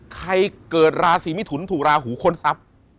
เกิดราศีมิถุนถูกราหูค้นทรัพย์